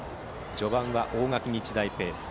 序盤は大垣日大ペース。